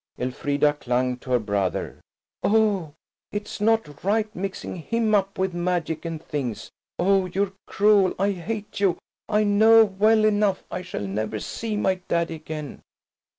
Elfrida clung to her brother. "Oh, it's not right, mixing him up with magic and things. Oh, you're cruel–I hate you! I know well enough I shall never see my daddy again."